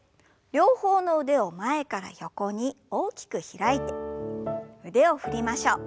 両方の腕を前から横に大きく開いて腕を振りましょう。